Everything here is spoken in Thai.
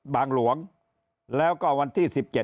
หลวงแล้วก็วันที่๑๗